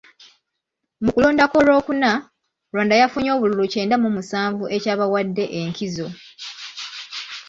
Mu kulonda kw'Olwokuna, Rwanda yafunye obululu kyenda mu musanvu ekyabawadde enkizo.